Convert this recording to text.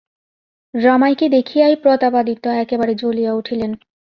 রমাইকে দেখিয়াই প্রতাপাদিত্য একেবারে জ্বলিয়া উঠিলেন।